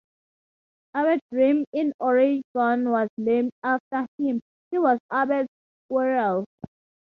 Abert Rim in Oregon was named after him, as was Abert's Squirrel.